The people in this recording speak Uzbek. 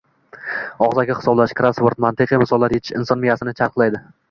Og‘zaki hisoblash, krossvord, mantiqiy misollar yechish inson miyasini charxlaydi.